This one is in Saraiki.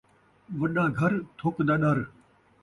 وݙا گھر ، تھک دا ݙر